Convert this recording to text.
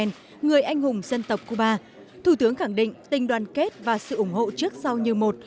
người anh hùng dân tộc cuba thủ tướng khẳng định tình đoàn kết và sự ủng hộ trước sau như một